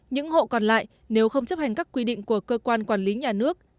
những hộ còn lại nếu không chấp hành các quy định của cơ quan quản lý nhà nước